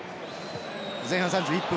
前半３１分。